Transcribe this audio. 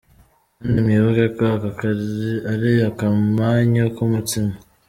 Kandi mwibuke ko aka ari akamanyu k’umutsima.